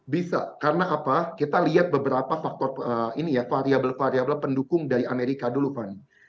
bisa karena apa kita lihat beberapa faktor ini ya variable variable pendukung dari amerika dulu fani